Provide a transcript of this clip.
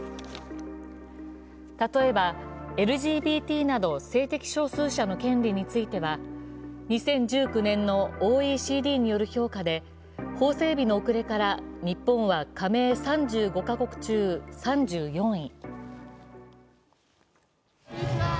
例えばＬＧＢＴなど性的少数者の権利については２０１９年のＯＥＣＤによる評価で、法整備の遅れから日本は加盟３５か国中３４位。